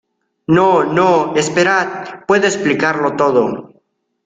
No, no , esperad. Puedo explicarlo todo .